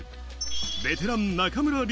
ベテラン中村亮